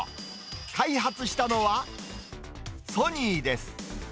開発したのは、ソニーです。